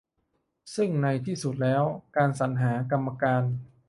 ซึ่งในที่สุดแล้ว การสรรหา กรรมการ